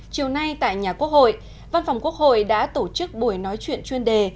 chiều nay tại nhà quốc hội văn phòng quốc hội đã tổ chức buổi nói chuyện chuyên đề